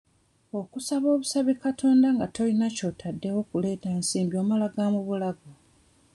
Okusaba obusabi Katonda nga tolina ky'otaddewo kuleeta nsimbi omala ga mu bulago